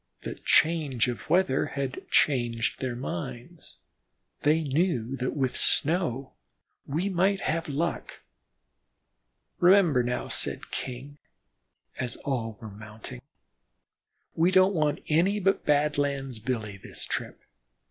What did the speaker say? The change of weather had changed their minds; they knew that with snow we might have luck. "Remember now," said King, as all were mounting, "we don't want any but Badlands Billy this trip.